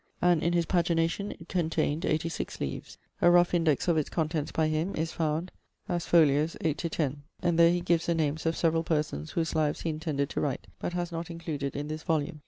and, in his pagination, it contained eighty six leaves. A rough index of its contents, by him, is found as foll. 8 10: and there he gives the names of several persons whose lives he intended to write, but has not included in this volume.